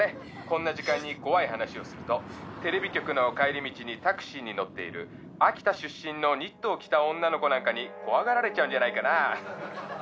こんな時間に怖い話をするとテレビ局の帰り道にタクシーに乗っている秋田出身のニットを着た女の子なんかに怖がられちゃうんじゃないかな。